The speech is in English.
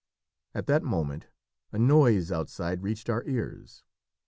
At that moment a noise outside reached our ears.